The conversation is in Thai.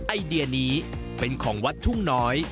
ไอเดียนี้เป็นของวัดทุ่งน้อย